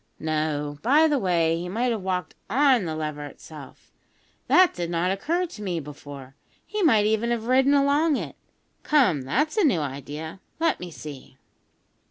No, by the way, he might have walked on the lever itself! That did not occur to me before. He might even have ridden along it. Come, that's a new idea. Let me see."